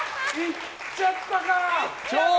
いっちゃったか。